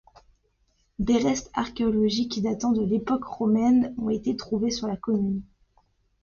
Des restes archéologiques datant de l'époque romaine ont été trouvés sur la commune.